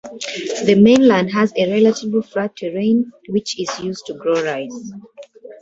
The mainland has a relatively flat terrain, which is used to grow rice.